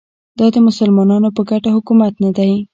دا د مسلمانانو په ګټه حکومت نه دی